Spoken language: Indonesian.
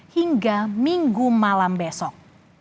hingga minggu malam besok